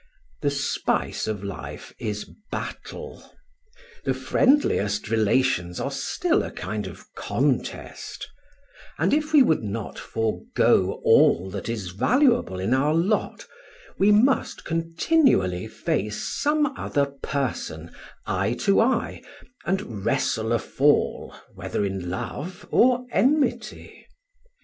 The spice of life is battle; the friendliest relations are still a kind of contest; and if we would not forego all that is valuable in our lot, we must continually face some other person, eye to eye, and wrestle a fall whether in love or enmity.